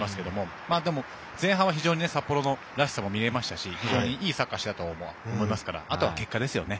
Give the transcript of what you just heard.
でも、前半は非常に札幌らしさも見えましたし非常にいいサッカーをしていたと思いますからあとは結果ですよね。